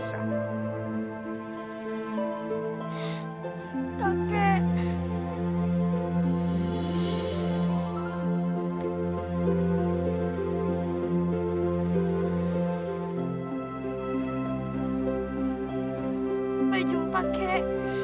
sampai jumpa kakek